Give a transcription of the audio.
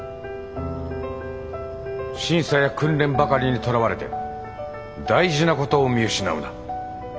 審査や訓練ばかりにとらわれて大事なことを見失うな。